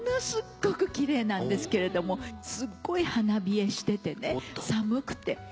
すっごく奇麗なんですけれどもすっごい花冷えしててね寒くて。